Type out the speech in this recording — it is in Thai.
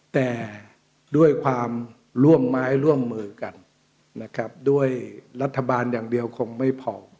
แต่ด้วยความร่วมไม้ร่วมมือกันนะครับด้วยรัฐบาลอย่างเดียวคงไม่พอ